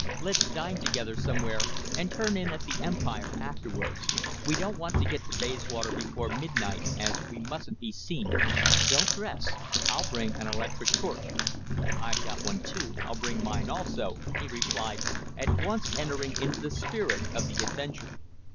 "Let's dine together somewhere, and turn in at the Empire afterwards. We don't want to get to Bayswater before midnight, as we mustn't be seen. Don't dress. I'll bring an electric torch." "I've got one. I'll bring mine also," he replied, at once entering into the spirit of the adventure.